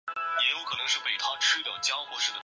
选择的机会